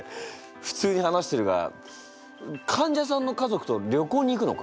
普通に話してるが患者さんの家族と旅行に行くのか？